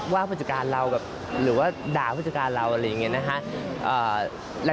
ว่าผู้จัดการเราแบบหรือว่าด่าผู้จัดการเราอะไรอย่างนี้นะคะ